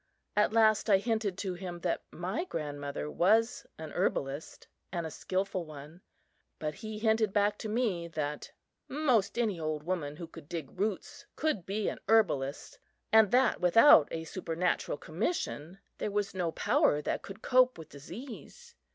At last I hinted to him that my grandmother was a herbalist, and a skilful one. But he hinted back to me that 'most any old woman who could dig roots could be a herbalist, and that without a supernatural commission there was no power that could cope with disease.